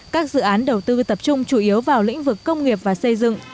các dự án đầu tư tập trung chủ yếu vào lĩnh vực công nghiệp và xây dựng